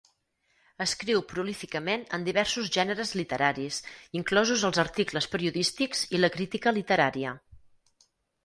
Escriu prolíficament en diversos gèneres literaris, inclosos els articles periodístics i la crítica literària.